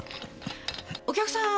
お客さん